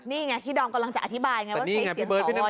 นี่ไงที่ดอมกำลังจะอธิบายไงว่าใช้เสียงน้อย